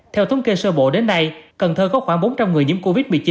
theo thống kê sơ bộ đến nay cần thơ có khoảng bốn trăm linh người nhiễm covid một mươi chín